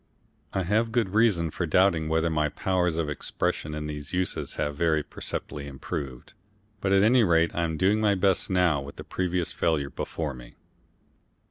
I have good reason for doubting whether my powers of expression in these uses have very perceptibly improved, but at any rate I am doing my best now with that previous failure before me.